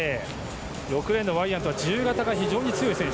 ６レーン、ワイヤントは自由形が非常に強い選手。